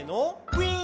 「ウィン！」